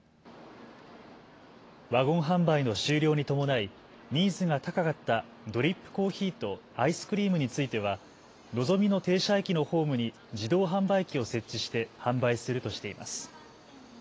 ワゴン販売の終了に伴いニーズが高かったドリップコーヒーとアイスクリームについてはのぞみの停車駅のホームに自動販売機を設置して販売するとしています。